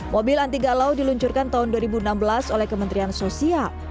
mobil anti galau diluncurkan tahun dua ribu enam belas oleh kementerian sosial